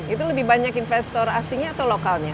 itu lebih banyak investor asingnya atau lokalnya